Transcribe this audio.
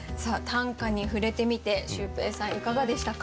短歌に触れてみてシュウペイさんいかがでしたか？